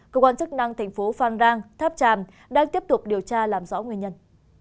cơ quan chức năng tp phan rang tháp tràm đang tiếp tục điều tra làm rõ nguyên nhân